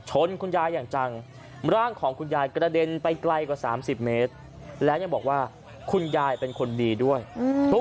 ชนคุณยายอย่างจังร่างของคุณยายกระเด็นไปไกลกว่า๓๐เมตร